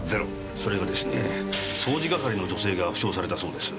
それがですね掃除係の女性が負傷されたそうです。